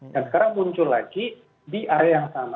dan sekarang muncul lagi di area yang sama